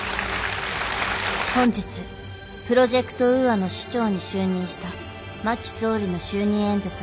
本日プロジェクト・ウーアの首長に就任した真木総理の就任演説が行われた。